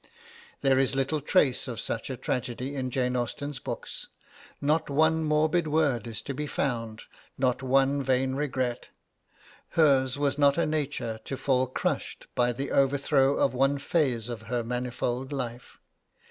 There is little trace of such a tragedy in Jane Austen's books not one morbid word is to be found, not one vain regret. Hers was not a nature to fall crushed by the overthrow of one phase of her manifold life.